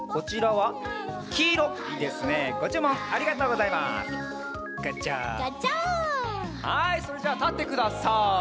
はいそれじゃあたってください。